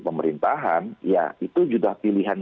pemerintahan ya itu juga pilihan